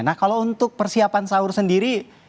nah kalau untuk persiapan sahur sendiri